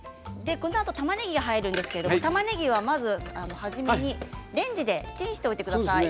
このあとたまねぎが入るんですが、たまねぎはまず初めにレンジでチンしておいてください。